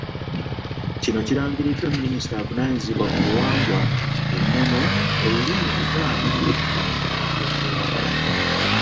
Kino kirangiriddwa Minisita avunaanyizibwa ku buwangwa, ennono, olulimi Oluganda awamu n’ebyokwerinda.